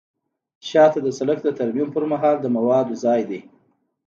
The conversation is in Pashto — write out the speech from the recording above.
شانه د سرک د ترمیم پر مهال د موادو ځای دی